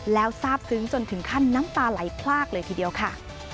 แล้วทราบซึ้งจนถึงขั้นน้ำตาไหลพลากเลยทีเดียวค่ะ